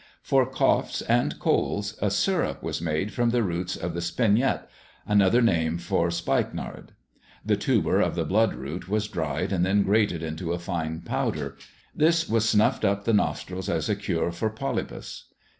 For coughs and colds, a syrup was made from the roots of the spignet, another name for spike nard. The tuber of the blood root was dried and then grated into a fine powder; this was snuffed up the nostrils as a cure for polypus.